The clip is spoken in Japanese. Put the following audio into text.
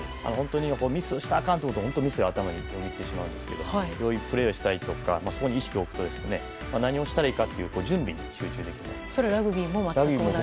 ミスしたらあかんと思ったら本当にミスが頭によぎってしまうんですけどいいプレーしたいというところに意識を置くと何をしたらいいかという準備に集中できるんです。